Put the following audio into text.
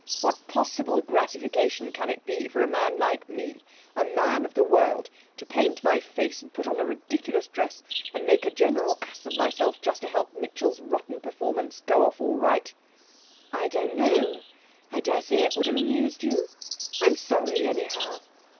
What possible gratification can it be for a man like me a man of the world to paint my face and put on a ridiculous dress and make a general ass of myself, just to help Mitchell's rotten performance to go off all right!' 'I don't know. I daresay it would have amused you. I'm sorry, anyhow.'